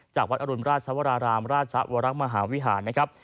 จากวัดอรุณราชวรารามราชวรมหาวิหารนะครับ